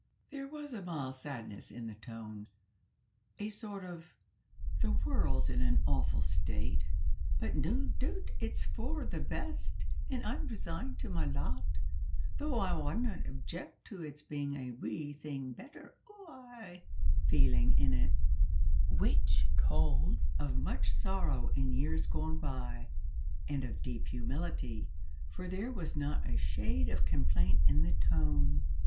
There was a mild sadness in the tone, a sort of "the world's in an awfu' state, but no doot it's a' for the best, an' I'm resigned to my lot, though I wadna objec' to its being a wee thing better, oo ay," feeling in it, which told of much sorrow in years gone by, and of deep humility, for there was not a shade of complaint in the tone.